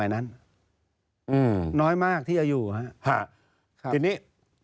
น่อยมากที่อายุทีเนี้ย